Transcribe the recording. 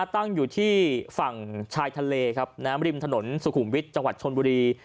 ตั้งอยู่ที่ฝั่งชายทะเลครับน้ำริมถนนสุขุมวิทย์จังหวัดชนบุรี